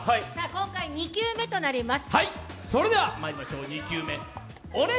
今回２球目となります。